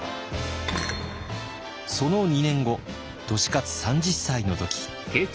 その２年後利勝３０歳の時。